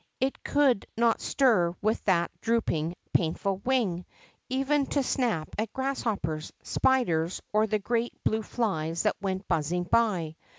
It could not stir with that drooping, painful wing, even to snap at grasshoppers, spiders, or the great blue flies that went buzzing by.